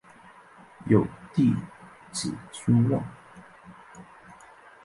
有弟子孙望。